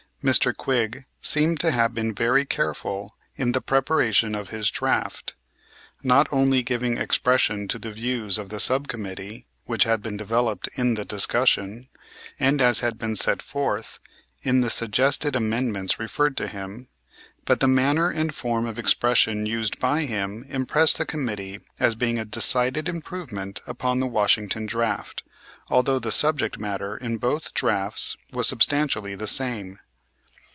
Mr. Quigg seemed to have been very careful in the preparation of his draft, not only giving expression to the views of the sub committee, which had been developed in the discussion, and as had been set forth in the suggested amendments referred to him, but the manner and form of expression used by him impressed the committee as being a decided improvement upon the Washington draft, although the subject matter in both drafts was substantially the same.